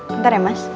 bentar ya mas